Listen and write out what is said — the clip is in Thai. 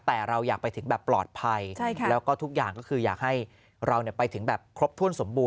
แต่เราอยากไปถึงแบบปลอดภัยแล้วก็ทุกอย่างก็คืออยากให้เราไปถึงแบบครบถ้วนสมบูร